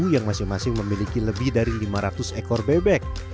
yang masing masing memiliki lebih dari lima ratus ekor bebek